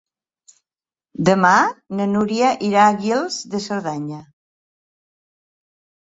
Demà na Núria irà a Guils de Cerdanya.